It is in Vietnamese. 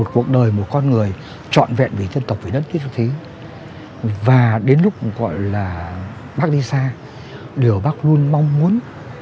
một cuộc đời một con người trọn vẹn với dân tộc với đất nước thi và đến lúc gọi là bác đi xa điều bác luôn mong muốn